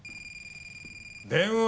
電話！